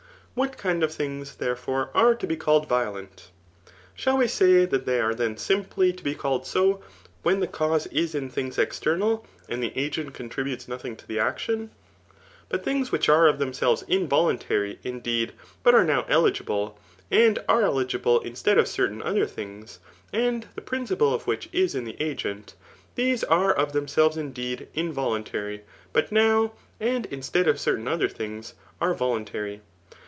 What kind of things, therefore, are to be called violent ? Shall we say, that they are then simply to be called so, when the cause is in things external, and the agent contributes nothing to the action ? But things which are of themselves involuntary, indeed, but are now eligible, and are eligible instead of certain other things^ and the principle of which is in the agent, — these are of themselves indeed, involuntary, but now, and instead of certain other things, are voluntary.